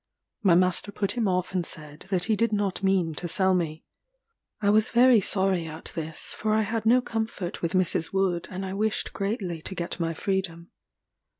My master put him off and said that he did not mean to sell me. I was very sorry at this, for I had no comfort with Mrs. Wood, and I wished greatly to get my freedom.